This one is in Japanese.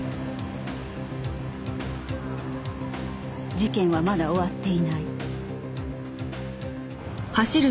事件はまだ終わっていない